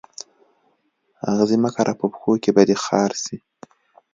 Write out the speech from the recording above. آغزي مه کره په پښو کي به دي خار سي